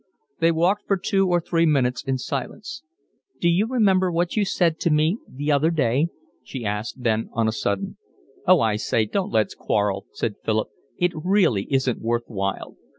They walked for two or three minutes in silence. "D'you remember what you said to me the other day?" she asked then on a sudden. "Oh, I say, don't let's quarrel," said Philip. "It really isn't worth while."